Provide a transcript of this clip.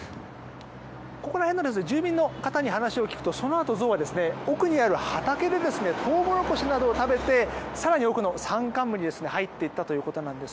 ここら辺の住民の方に話を聞くとそのあと、ゾウは奥にある畑でトウモロコシなどを食べて更に奥の山間部に入っていったということです。